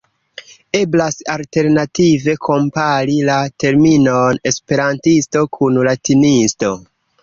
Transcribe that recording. Eblas alternative kompari la terminon 'esperantisto' kun 'latinisto'.